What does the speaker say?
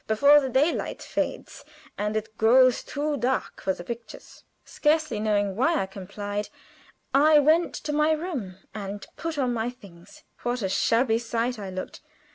before the daylight fades and it grows too dark for the pictures." Scarcely knowing why I complied, I went to my room and put on my things. What a shabby sight I looked!